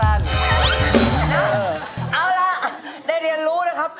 เอาล่ะได้เรียนรู้นะครับ